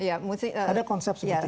ada konsep seperti itu